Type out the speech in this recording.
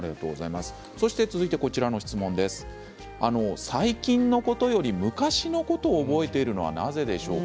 続いて最近のことより昔のことを覚えているのはなぜでしょうか。